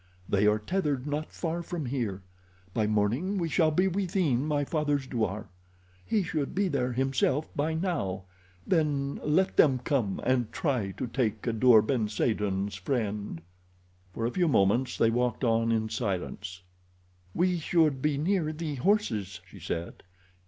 They are tethered not far from here. By morning we shall be within my father's douar. He should be there himself by now—then let them come and try to take Kadour ben Saden's friend." For a few moments they walked on in silence. "We should be near the horses," she said.